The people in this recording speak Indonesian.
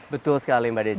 betul sekali mbak desi